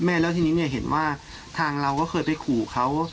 แล้วทีนี้เนี่ยเห็นว่าทางเราก็เคยไปขู่เขา